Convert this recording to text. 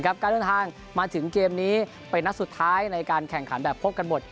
การเดินทางมาถึงเกมนี้เป็นนัดสุดท้ายในการแข่งขันแบบพบกันหมด